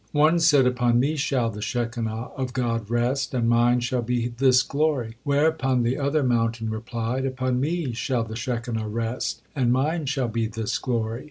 One said: "Upon me shall the Shekinah of God rest, and mine shall be this glory," whereupon the other mountain replied: "Upon me shall the Shekinah rest, and mine shall be this glory."